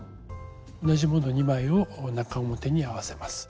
同じもの２枚を中表に合わせます。